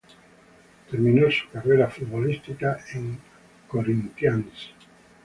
Terminó su carrera futbolística en Corinthians.